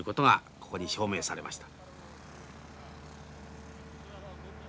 ここに証明されました。